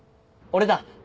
俺だ。